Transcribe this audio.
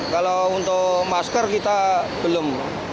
kalau untuk masker kita belum